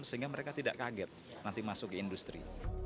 sehingga mereka tidak kaget nanti masuk ke industri